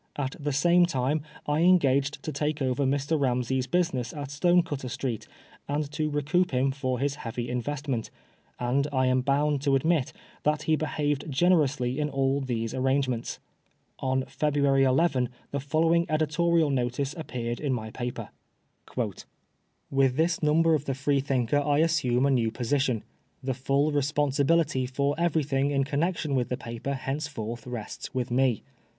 At the same time I engaged to take over Mr. Bamsey^s business at Stonecutter Street, and to recoup him for his heavy investment ; and I am bound to admit that he behaved generously in all these arrange ments. On February 11 the following editorial notice appeared in my paper :" With this number of the FreefhinTcer I assmne a new position. The full responsibility for everything in connexion with the paper henceforth rests with me.